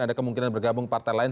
ada kemungkinan bergabung partai lain